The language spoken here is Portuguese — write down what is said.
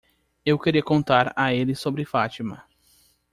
Ele queria contar a ele sobre Fátima.